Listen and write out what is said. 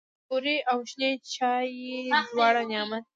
توري او شنې چايي دواړه نعمت دی.